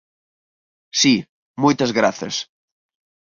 “Si, moitas grazas”.